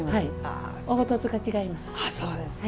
凹凸が違います。